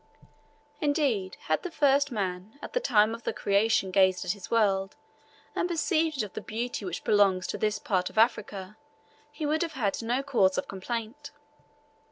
Indeed, had the first man at the time of the Creation gazed at his world and perceived it of the beauty which belongs to this part of Africa, he would have had no cause of complaint.